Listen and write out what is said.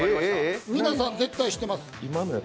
皆さん絶対知ってます。